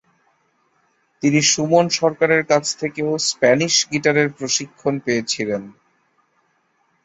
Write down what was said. তিনি সুমন সরকারের কাছ থেকেও স্প্যানিশ গিটারের প্রশিক্ষণ পেয়েছিলেন।